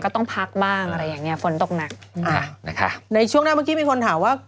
ต้องพักบ้างอะไรอย่างเงี้ฝนตกหนักอ่านะคะในช่วงหน้าเมื่อกี้มีคนถามว่า